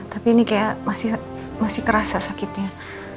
tapi ini kayak masih kerasa sakitnya